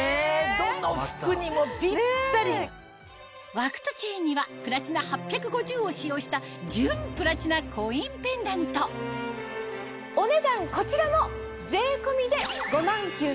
枠とチェーンにはプラチナ８５０を使用した純プラチナコインペンダントお値段こちらも。